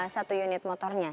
satu unit motornya